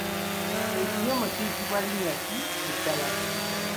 Ekinyomo kiyitibwa linnya ki eddala?